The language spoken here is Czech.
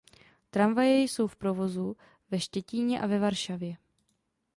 Tramvaje jsou v provozu ve Štětíně a ve Varšavě.